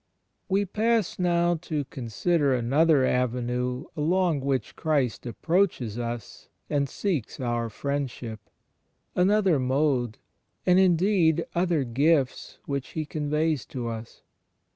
We pass now to consider another avenue along which Christ approaches us and seeks our friendship; another mode, and, indeed, other gifts which He conveys to us.